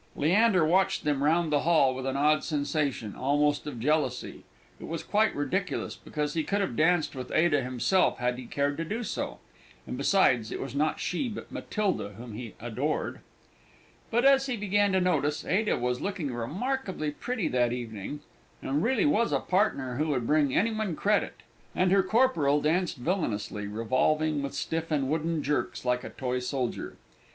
Leander watched them round the hall with an odd sensation, almost of jealousy it was quite ridiculous, because he could have danced with Ada himself had he cared to do so; and besides, it was not she, but Matilda, whom he adored. But, as he began to notice, Ada was looking remarkably pretty that evening, and really was a partner who would bring any one credit; and her corporal danced villainously, revolving with stiff and wooden jerks, like a toy soldier.